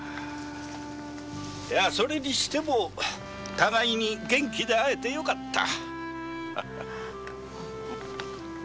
それにしても互いに元気で会えてよかった。